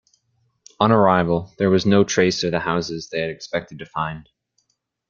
On arrival, there was no trace of the houses they had expected to find.